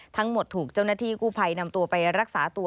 ถูกเจ้าหน้าที่กู้ภัยนำตัวไปรักษาตัว